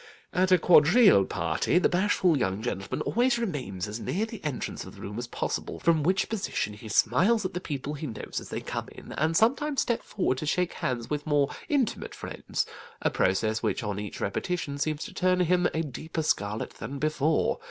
At a quadrille party, the bashful young gentleman always remains as near the entrance of the room as possible, from which position he smiles at the people he knows as they come in, and sometimes steps forward to shake hands with more intimate friends: a process which on each repetition seems to turn him a deeper scarlet than before.